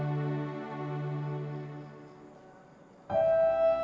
pesek air papi